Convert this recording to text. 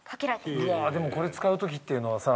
うわーでもこれ使う時っていうのはさ